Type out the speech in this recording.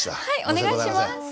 はいお願いします。